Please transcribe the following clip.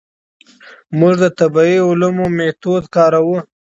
موږ د طبیعي علومو میتود کاروو.